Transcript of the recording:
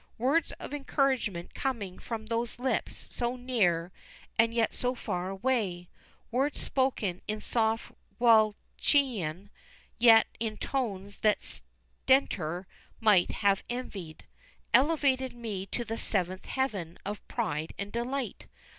Words of encouragement coming from those lips, so near and yet so far away, words spoken in soft Wallachian, yet in tones that Stentor might have envied elevated me to the seventh heaven of pride and delight.